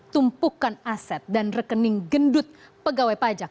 tumpukan aset dan rekening gendut pegawai pajak